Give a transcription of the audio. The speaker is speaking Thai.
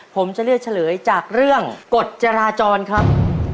ผมจะเลือกเฉลยจากเรื่องกฎจราจรครับ